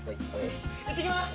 いってきます！